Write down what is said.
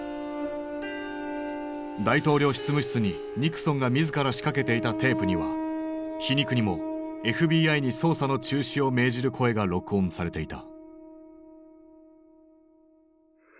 大統領執務室にニクソンが自ら仕掛けていたテープには皮肉にもＦＢＩに捜査の中止を命じる声が録音されていた。